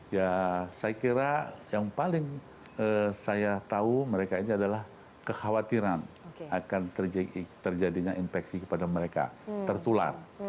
ya saya kira yang paling saya tahu mereka ini adalah kekhawatiran akan terjadinya infeksi kepada mereka tertular